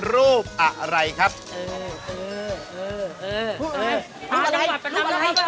รูปอะไรบอกอันหน่อยเร็ว